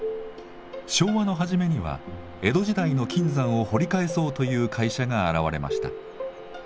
昭和の初めには江戸時代の金山を掘り返そうという会社が現れました。